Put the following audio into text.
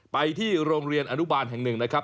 ไปที่โรงเรียนอนุบาลแห่งหนึ่งนะครับ